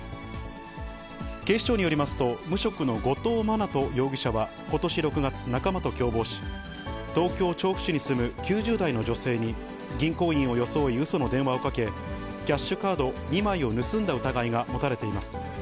警視庁によりますと、無職の後藤真斗容疑者はことし６月、仲間と共謀し東京・調布市に住む９０代の女性に、銀行員を装いうその電話をかけ、キャッシュカード２枚を盗んだ疑いが持たれています。